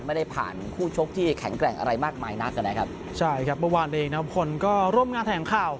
ไม่ได้ผ่านคู่ชกที่แข็งแกร่งอะไรมากมายนักนะครับใช่ครับเมื่อวานตัวเองน้ำพลก็ร่วมงานแถลงข่าว